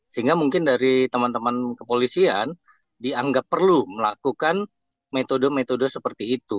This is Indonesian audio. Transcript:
sehingga mungkin dari teman teman kepolisian dianggap perlu melakukan metode metode seperti itu